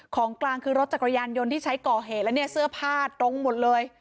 ของกลางคือรถจักรยานยนต์ที่ใช้ก่อเหตุแล้วเนี่ยเสื้อผ้าตรงหมดเลย